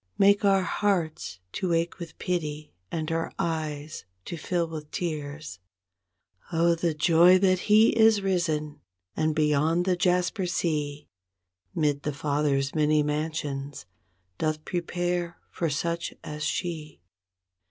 Make our hearts to ache with pity, and our eyes to fill with tears. Oh, the joy that He is risen, and beyond the jasper sea 'Mid the Father's many mansions, doth prepare for such as she.